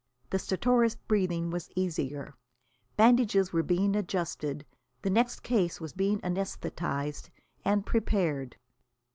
The stertorous breathing was easier, bandages were being adjusted, the next case was being anæsthetised and prepared.